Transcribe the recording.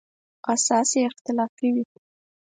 اساس یې اختلافي وي.